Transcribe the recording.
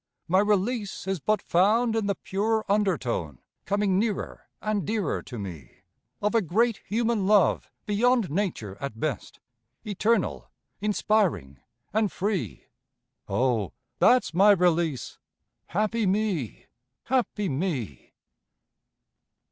My release is but found in the pure undertone, Coming nearer and dearer to me, Of a great human love beyond Nature at best, Eternal, inspiring, and free. Oh, that's my release. Happy me, happy me!